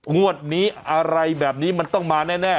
งวดนี้อะไรแบบนี้มันต้องมาแน่